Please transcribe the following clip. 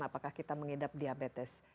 apakah kita mengidap diabetes